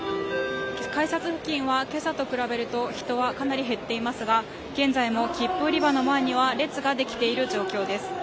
改札付近は今朝と比べると人はかなり減っていますが現在も切符売り場の前には列ができている状態です。